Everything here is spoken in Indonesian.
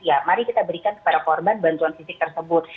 ya mari kita berikan kepada korban bantuan fisik tersebut